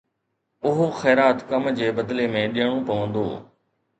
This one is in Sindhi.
اهو خيرات ڪم جي بدلي ۾ ڏيڻو پوندو.